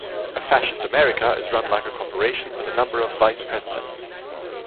A fascist America is run like a corporation with a number of vice-presidents.